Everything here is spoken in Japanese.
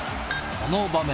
この場面。